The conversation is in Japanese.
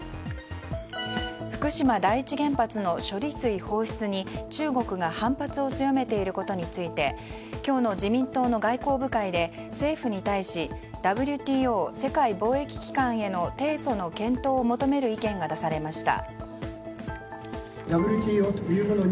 福島第一原発の処理水放出に中国が反発を強めていることについて今日の自民党の外交部会で政府に対しＷＴＯ・世界貿易機関への提訴の検討を求める意見が出されました。